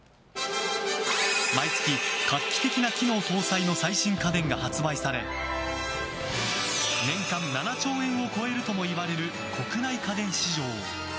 毎月、画期的な機能搭載の最新家電が発売され年間７兆円を超えるともいわれる国内家電市場。